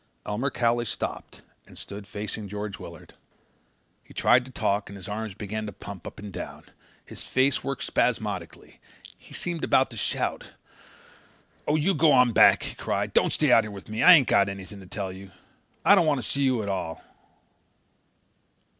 Elmer Cowley stopped and stood facing George Willard. He tried to talk and his arms began to pump up and down. His face worked spasmodically. He seemed about to shout. "Oh, you go on back," he cried. "Don't stay out here with me. I ain't got anything to tell you. I don't want to see you at all."